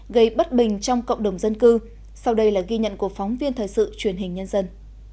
gây bất bình trong cộng đồng dân cư sau đây là ghi nhận của phóng viên thời sự truyền hình nhân dân